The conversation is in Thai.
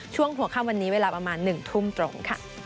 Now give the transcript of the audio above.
ช่วงหัวข้ามวันนี้เวลาประมาณ๑ทุ่มตรง